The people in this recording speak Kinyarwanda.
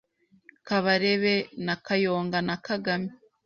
Kabarebe na Kayonga na kagame